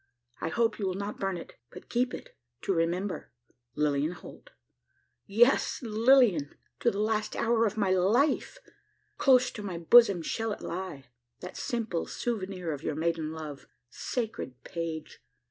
I hope you will not burn it, but keep it, to remember "Lilian Holt." Yes, Lilian! to the last hour of my life! Close to my bosom shall it lie that simple souvenir of your maiden love. Sacred page!